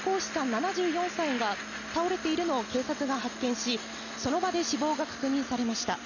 ７４歳が倒れているのを警察が発見し、その場で死亡が確認されました。